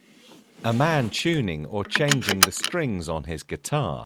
A man tuning or changing the strings on his guitar